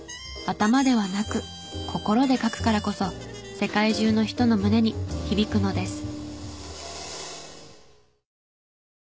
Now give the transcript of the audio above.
頭ではなく心で書くからこそ世界中の人の胸に響くのです。